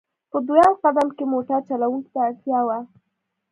په دویم قدم کې موټر چلوونکو ته اړتیا وه.